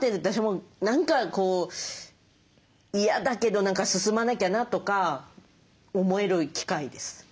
私も何か嫌だけど何か進まなきゃなとか思える機会です。